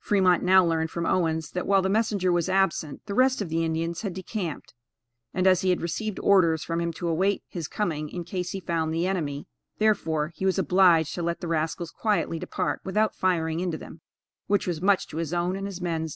Fremont now learned from Owens, that while the messenger was absent, the rest of the Indians had decamped, and as he had received orders from him to await his coming in case he found the enemy, therefore, he was obliged to let the rascals quietly depart without firing into them, which was much to his own and his men's displeasure.